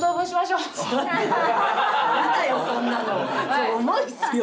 それ重いっすよ